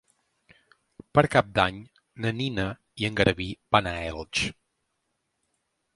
Per Cap d'Any na Nina i en Garbí van a Elx.